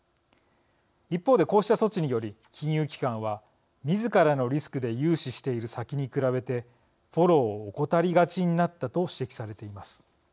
一方でこうした措置により金融機関はみずからのリスクで融資している先に比べてフォローを怠りがちになったと指摘されています。